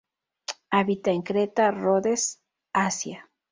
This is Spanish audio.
Habita en Creta, Rhodes, Asia.